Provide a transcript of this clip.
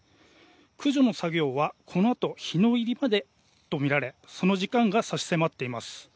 駆除の作業は、このあと日の入りまでとみられその時間が差し迫っています。